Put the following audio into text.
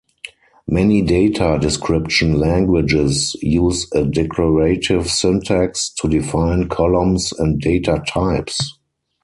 Many data description languages use a declarative syntax to define columns and data types.